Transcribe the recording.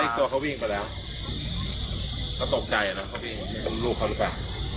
ไม่เห็นปลอดภัย